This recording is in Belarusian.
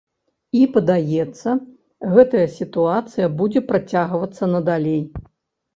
І, падаецца, гэтая сітуацыя будзе працягвацца надалей.